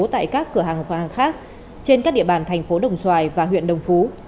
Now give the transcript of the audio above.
tại các cửa hàng vàng khác trên các địa bàn thành phố đồng xoài và huyện đồng phú